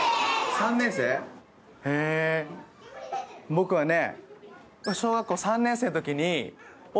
僕はね。